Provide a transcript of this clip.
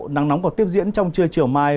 nắng nóng còn tiếp diễn trong trưa chiều mai